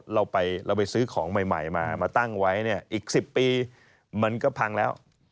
เราไปซื้อของใหม่มามาตั้งไว้เนี่ยอีก๑๐ปีมันก็พังแล้ว